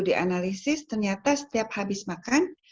di analisis ternyata setiap habis makan